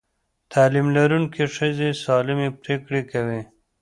تعلیم لرونکې ښځې سالمې پرېکړې کوي.